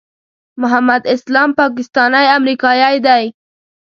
محمد اسلام پاکستانی امریکایی دی.